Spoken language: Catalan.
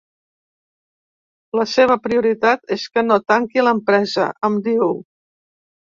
La seva prioritat és que no tanqui l’empresa, em diu.